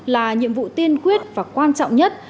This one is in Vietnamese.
là nhiệm vụ tiên quyết và quan trọng nhất